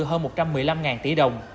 hơn một trăm một mươi năm tỷ đồng